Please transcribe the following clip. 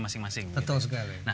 masing masing betul sekali